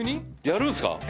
やるんすか？